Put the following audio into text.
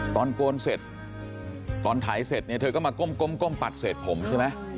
โกนเสร็จตอนถ่ายเสร็จเนี่ยเธอก็มาก้มปัดเศษผมใช่ไหม